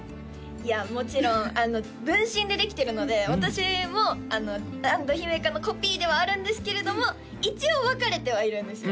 いやもちろんあの分身でできてるので私も安土姫華のコピーではあるんですけれども一応分かれてはいるんですよ